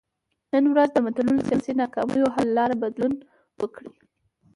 نن ورځ د ملتونو سیاسي ناکامیو حل لاره بدلون وکړي.